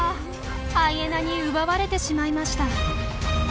ハイエナに奪われてしまいました。